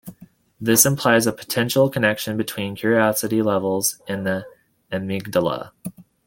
This implies a potential connection between curiosity levels and the amygdala.